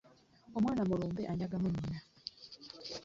Omwana mu lumbe anyagamu nyinna .